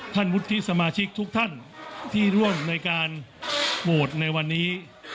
วุฒิสมาชิกทุกท่านที่ร่วมในการโหวตในวันนี้